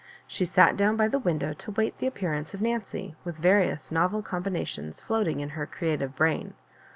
She sat down by the window to wait the ap pearance of Nancy, with various novel combi nations floating in her creative brain.